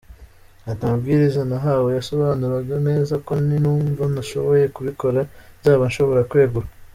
Ati “Amabwiriza nahawe yasobanuraga neza ko ninumva ntashoboye kubikora, nzaba nshobora kwegura.